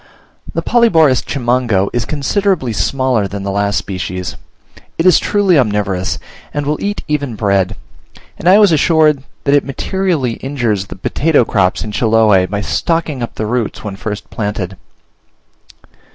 The Polyborus Chimango is considerably smaller than the last species. It is truly omnivorous, and will eat even bread; and I was assured that it materially injures the potato crops in Chiloe, by stocking up the roots when first planted.